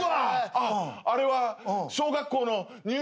「あっあれは小学校の入学式」